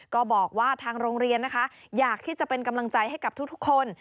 ก็บอกว่าทางโรงเรียนนะคะอยากที่จะเป็นกำลังใจให้กับทุกคน